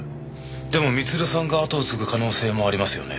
でも光留さんが跡を継ぐ可能性もありますよね。